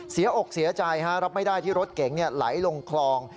อกเสียใจรับไม่ได้ที่รถเก๋งไหลลงคลอง